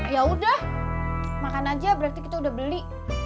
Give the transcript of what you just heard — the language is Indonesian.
ya udah makan aja berarti kita udah beli